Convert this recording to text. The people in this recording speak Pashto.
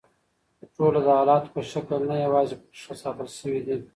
ټوله د حالتونو په شکل نه یواځي پکښې ښه ساتل شوي دي